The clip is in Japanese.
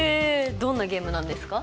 どんなゲームなんですか？